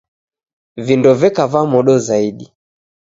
Vindo veka va modo zaidi